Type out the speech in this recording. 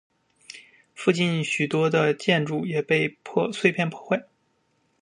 附近的许多建筑也被碎片破坏。